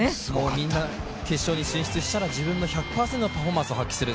みんな決勝に進出したら、自分の１００％のパフォーマンスを発揮する。